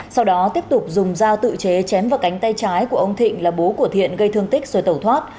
sau đó tiếp tục dùng dao tự chế chém vào cánh tay trái của ông thịnh là bố của thiện gây thương tích rồi tẩu thoát